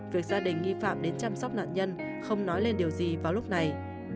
việc gia đình nghi phạm đến chăm sóc nạn nhân không nói lên điều gì vào lúc này